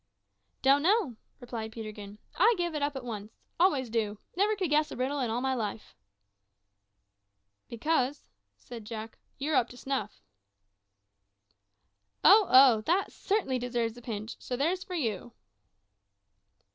"Don't know," replied Peterkin. "I give it up at once. Always do. Never could guess a riddle in all my life." "Because," said Jack, "you're `_up to snuff_.'" "Oh, oh! that certainly deserves a pinch; so there's for you."